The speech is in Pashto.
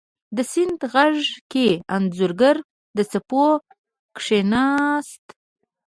د سیند غیږ کې انځورګر د څپو کښېناست